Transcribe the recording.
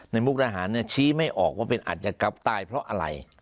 ในมุกรหารเนี้ยชี้ไม่ออกว่าเป็นอาจจะกลับตายเพราะอะไร